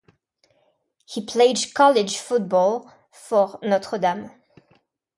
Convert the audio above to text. He played college football for Notre Dame.